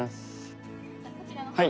はい。